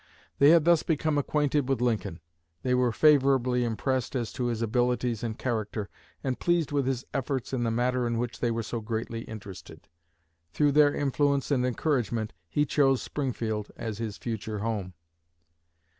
They had thus become acquainted with Lincoln; they were favorably impressed as to his abilities and character, and pleased with his efforts in the matter in which they were so greatly interested. Through their influence and encouragement he chose Springfield as his future home.